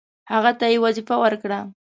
هغه ته یې وظیفه ورکړه.